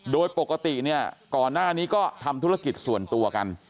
โดยปกติเนี่ยก่อนหน้านี้ก็ทำธุรกิจส่วนตัวกัน